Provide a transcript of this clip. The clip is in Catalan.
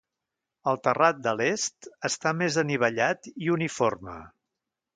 El terra de l'est està més anivellat i uniforme.